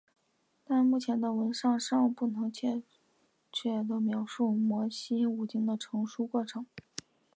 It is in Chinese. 但目前的文献尚不能确切地描述摩西五经的成书过程。